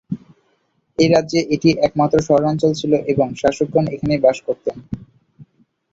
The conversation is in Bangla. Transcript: এই রাজ্যে এটিই একমাত্র শহরাঞ্চল ছিল এবং শাসকগণ এখানেই বাস করতেন।